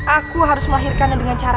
aku harus melahirkannya dengan cara